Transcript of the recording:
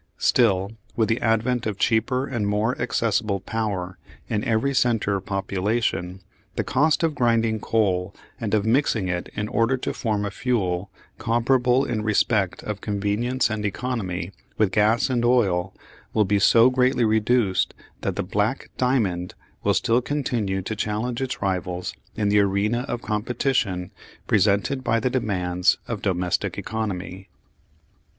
Still, with the advent of cheaper and more accessible power in every centre of population, the cost of grinding coal and of mixing it in order to form a fuel comparable in respect of convenience and economy with gas and oil will be so greatly reduced that the "black diamond" will still continue to challenge its rivals in the arena of competition presented by the demands of domestic economy.